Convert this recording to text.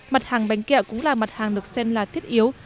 mặt hàng bánh kẹo cũng là mặt hàng được xem là thiết yếu